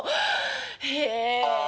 へえ。